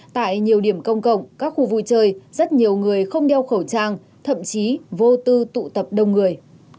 tại nhiều điểm công cộng các khu vui chơi rất nhiều người không đeo khẩu trang thậm chí vô tư tụ tập đông người